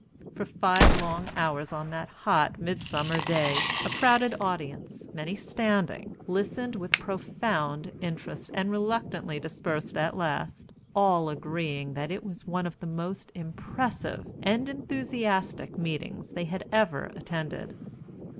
For five long hours on that hot midsummer day a crowded audience, many standing, listened with profound interest and reluctantly dispersed at last, all agreeing that it was one of the most impressive and enthusiastic meetings they had ever attended.